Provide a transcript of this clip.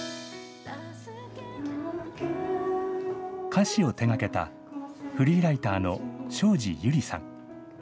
歌詞を手がけた、フリーライターの庄司友里さん。